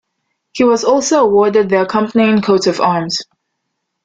He was also awarded the accompanying coat of arms.